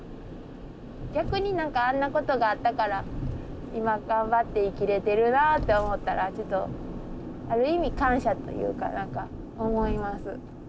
逆に何かあんなことがあったから今頑張って生きれてるなって思ったらちょっとある意味感謝というか何か思います。